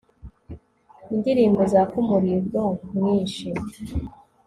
Indirimbo zaka umuriro mwinshi